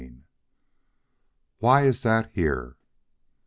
XXXII "WHY IS THAT HERE?"